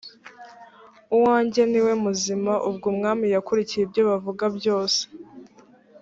uwange ni we muzima ubwo umwami yakurikiye ibyo bavuga byose